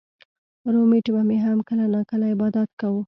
رومېټ به مې هم کله نا کله عبادت کوو